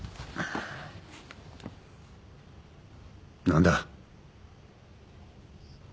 何だ？